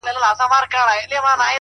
• مړ مه سې ـ د بل ژوند د باب وخت ته ـ